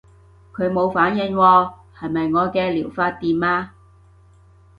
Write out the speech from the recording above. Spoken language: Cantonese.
佢冇反應喎，係咪我嘅療法掂啊？